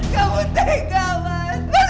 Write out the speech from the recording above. kamu tega mas